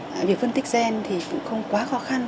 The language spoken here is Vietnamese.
và việc phân tích gen thì cũng không quá khó khăn